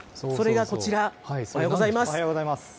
それがこちら、おはようございます。